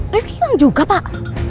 rivki hilang juga pak